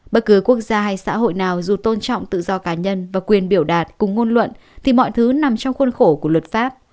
bất cứ quốc gia hay xã hội nào dù tôn trọng tự do cá nhân và quyền biểu đạt cùng ngôn luận thì mọi thứ nằm trong khuôn khổ của luật pháp